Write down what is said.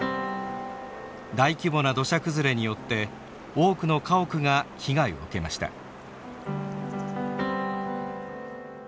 大規模な土砂崩れによって多くの家屋が被害を受けました。